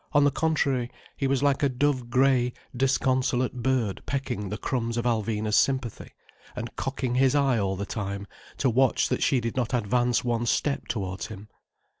On the contrary, he was like a dove grey, disconsolate bird pecking the crumbs of Alvina's sympathy, and cocking his eye all the time to watch that she did not advance one step towards him.